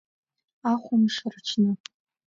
Ахәымш рҽны.